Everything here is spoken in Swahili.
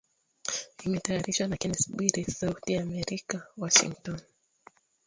Imetayarishwa na Kennes Bwire, Sauti Ya Amerika, Washington